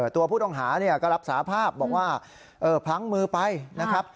ตัวผู้ต้องหาก็รับสาภาพบอกว่าพลั้งมือไปนะครับ